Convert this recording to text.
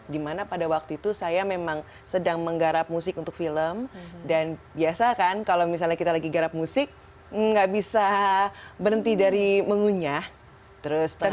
dimana pada waktu itu saya memang sedang menggarap musik untuk film dan biasa kan kalau misalnya kita lagi garap musik nggak bisa berhenti dari mengunyah terus terang